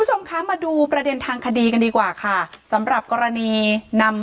คุณผู้ชมคะมาดูประเด็นทางคดีกันดีกว่าค่ะสำหรับกรณีนำ